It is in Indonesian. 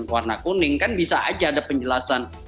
warna kuning kan bisa aja ada penjelasan